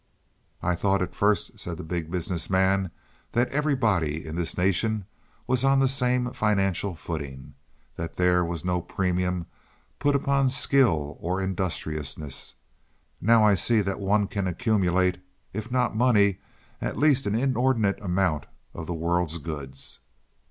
"I thought at first," said the Big Business Man, "that everybody in this nation was on the same financial footing that there was no premium put upon skill or industriousness. Now I see that one can accumulate, if not money, at least an inordinate amount of the world's goods."